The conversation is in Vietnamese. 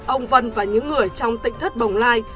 ông vân và những người trong tỉnh thất bồng lai